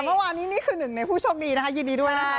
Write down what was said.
เมื่อวานนี้นี่คือหนึ่งในผู้โชคดีนะคะยินดีด้วยนะคะ